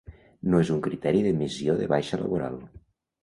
No és un criteri d'emissió de baixa laboral.